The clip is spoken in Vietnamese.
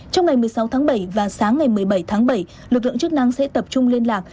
trong ngày một mươi sáu tháng bảy và sáng ngày một mươi bảy tháng bảy lực lượng chức năng sẽ tập trung liên lạc